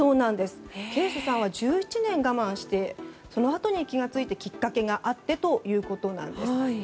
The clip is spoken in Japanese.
ケース３は１１年我慢してそのあとに気がついてきっかけがあってということなんです。